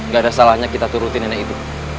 gak ada salahnya kita turutin nenek itu